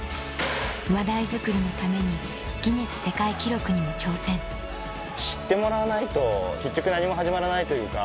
話題づくりのためにギネス世界記録にも挑戦知ってもらわないと結局何も始まらないというか。